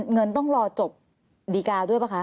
เงินต้องรอจบดีกาด้วยป่ะคะ